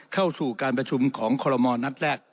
เข้าสู่การประชุมของคอลโมนัดแรก